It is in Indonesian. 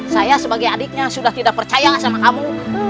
saya sebagai adiknya sudah tidak percaya gak sama kamu